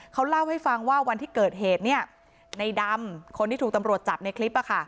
เขาเล่าให้ฟังว่าวันที่เกิดเหตุในดำคนที่ถูกตำรวจจับในคลิป